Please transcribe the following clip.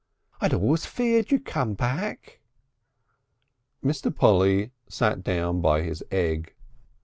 "I'd always feared you'd come back." Mr. Polly sat down by his egg.